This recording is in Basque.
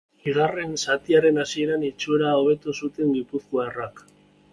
Bigarren zatiaren hasieran itxura hobetu zuten gipuzkoarrek.